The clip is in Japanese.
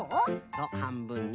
そうはんぶんに。